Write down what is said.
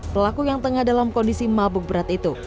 pelaku yang tengah dalam kondisi mabuk berat itu